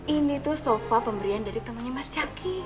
ini tuh sofa pemberian dari temennya mas cakki